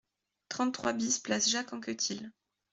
trente-trois BIS place Jacques Anquetil